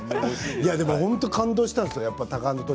でも本当に感動したんですよ。